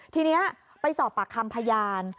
ทีนี้ไปสอบปากคำพยาน